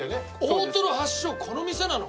大トロ発祥この店なの？